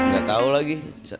gak tau lagi